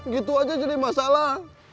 gitu aja jadi masalah